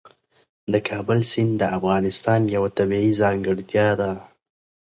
د کابل سیند د افغانستان یوه طبیعي ځانګړتیا ده.